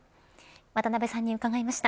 渡辺さんに伺いました。